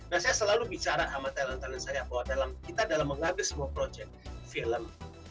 nah saya selalu bicara sama talent talent saya bahwa kita dalam mengambil semua proyek film